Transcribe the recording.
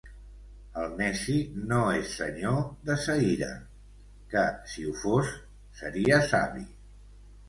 El neci no és senyor de sa ira, que, si ho fos, seria savi.